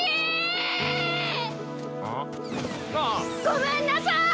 ごめんなさい！